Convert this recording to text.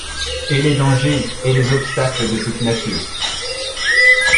Et les dangers, et les obstacles de toute nature !